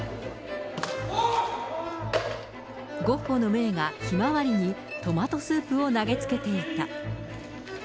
ゴッホの名画、ひまわりにトマトスープを投げつけていた。